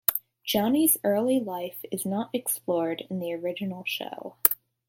Johnny's early life is not explored in the original show.